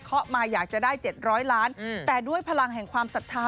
เขามาอยากจะได้๗๐๐ล้านแต่ด้วยพลังแห่งความศรัทธา